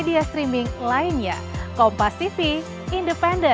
dari kandi kedong songo